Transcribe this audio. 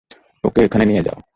ওকে ওখানে নিয়ে যাও!